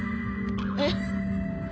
えっ？